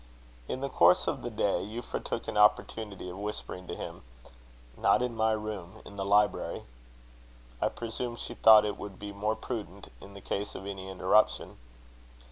In the course of the day, Euphra took an opportunity of whispering to him: "Not in my room in the library." I presume she thought it would be more prudent, in the case of any interruption.